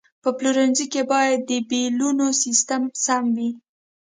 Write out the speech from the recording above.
په پلورنځي کې باید د بیلونو سیستم سم وي.